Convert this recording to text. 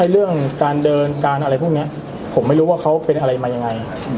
เรื่องการเดินการอะไรพวกนี้ผมไม่รู้ว่าเขาเป็นอะไรมายังไง